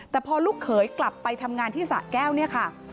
แต่พอลูกเขยกลับไปทำงานที่สะแก้วเนี่ยค่ะ